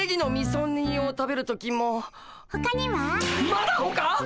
まだほか！？